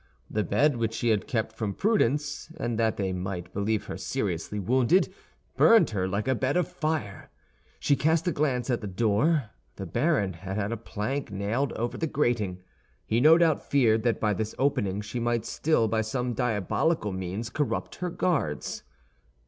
The bed, which she had kept from prudence and that they might believe her seriously wounded, burned her like a bed of fire. She cast a glance at the door; the baron had had a plank nailed over the grating. He no doubt feared that by this opening she might still by some diabolical means corrupt her guards.